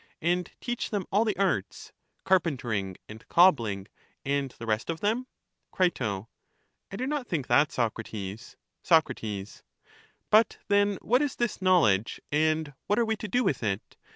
and teach them all the arts, — carpentering, and cobbling, and the rest of them? Cri. I do not think that, Socrates. Soc. But then what is this knowledge, and what are we to do with it?